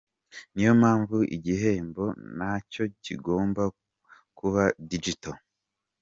Niyo mpamvu igihembo nacyo kigomba kuba Digital.